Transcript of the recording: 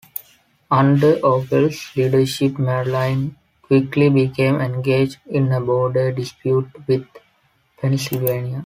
Under Ogle's leadership Maryland quickly became engaged in a border dispute with Pennsylvania.